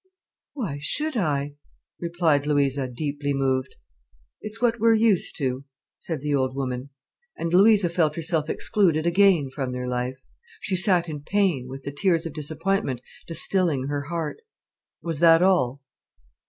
"Why should I?" replied Louisa, deeply moved. "It's what we're used to," said the old woman. And Louisa felt herself excluded again from their life. She sat in pain, with the tears of disappointment distilling her heart. Was that all?